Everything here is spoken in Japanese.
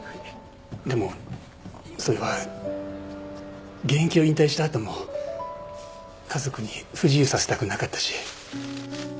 でもそれは現役を引退した後も家族に不自由させたくなかったし。